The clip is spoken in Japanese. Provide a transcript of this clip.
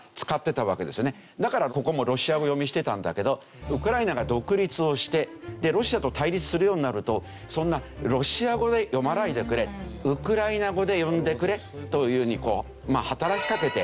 だからここもロシア語読みしてたんだけどウクライナが独立をしてロシアと対立するようになるとそんなロシア語で呼ばないでくれウクライナ語で呼んでくれというふうに働きかけて。